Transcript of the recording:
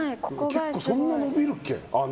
そんな伸びるっけ。